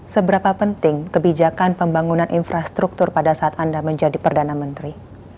seberapa penting kebijakan pembangunan infrastruktur pada saat anda menjadi perdana menteri